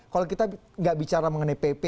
kalau kita nggak bicara mengenai pp